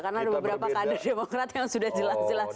karena ada beberapa kader demokrat yang sudah jelas jelas